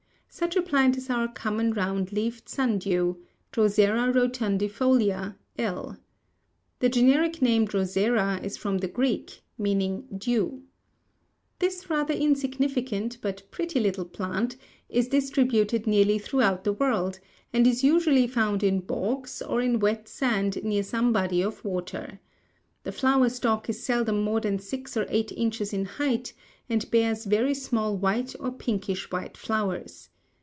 Such a plant is our common round leaved sundew (Drosera rotundifolia, L.). The generic name Drosera is from the Greek, meaning dew. This rather insignificant, but pretty little plant is distributed nearly throughout the world, and is usually found in bogs, or in wet sand near some body of water. The flower stalk is seldom more than six or eight inches in height and bears very small white or pinkish white flowers.